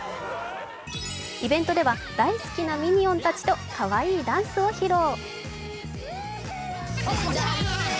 イベントでは大好きなミニオンたちとかわいいダンスを披露。